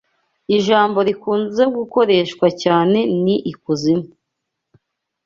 Ijambo rikunze gukoreshwa cyane ni ikuzimu